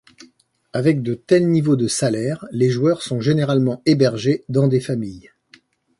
Avec de tels niveaux de salaires, les joueurs sont généralement hébergés dans des familles.